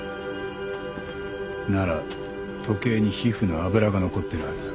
なら時計に皮膚の脂が残ってるはずだ。